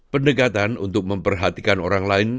pendekatan untuk memperhatikan orang lain